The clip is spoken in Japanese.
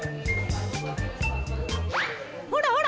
ほらほら！